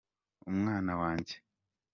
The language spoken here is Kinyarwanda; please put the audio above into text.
umwana wanjye.